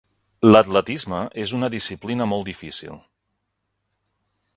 L'atletisme és una disciplina molt difícil.